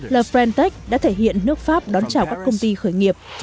la frentec đã thể hiện nước pháp đón chào các công ty khởi nghiệp